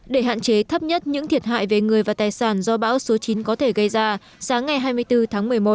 để hạn chế thấp nhất những thiệt hại về người và tài sản do bão số chín có thể gây ra sáng ngày hai mươi bốn tháng một mươi một